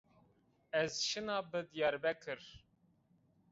Ez şina bi Dîyarbekir